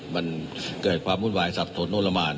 มันเกิดความวุ่นวายสับสนโนมาน